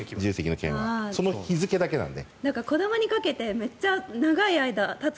その日付だけなので。